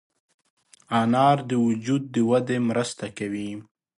انار د وجود د ودې مرسته کوي.